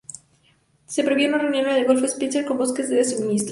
Se preveía una reunión en el Golfo Spencer con buques de suministros.